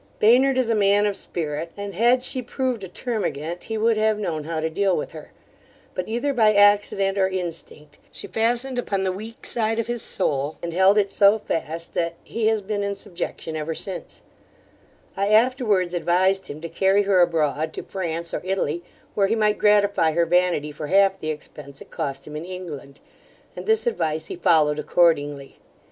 Baynard is a man of spirit, and had she proved a termagant, he would have known how to deal with her; but, either by accident or instinct, she fastened upon the weak side of his soul, and held it so fast, that he has been in subjection ever since I afterwards advised him to carry her abroad to France or Italy, where he might gratify her vanity for half the expence it cost him in England: and this advice he followed accordingly.